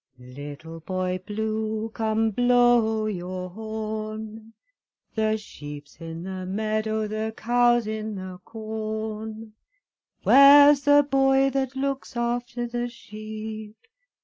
Little Boy Blue, come blow your horn, The sheep's in the meadow, the cow's in the corn, Where's the boy that looks after the sheep?